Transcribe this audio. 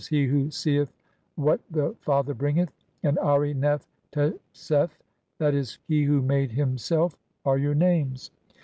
he who seeth what the "father bringeth), and Ari nef tchesef (?'. e., he who made him "self)," are your names.